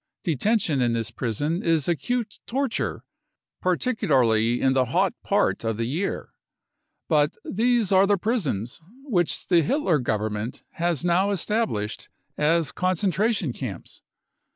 Detention in this prison is acute torture, particularly in the hot part of the year. But these are the prisons which the Hitler Government has now established as concentration camps.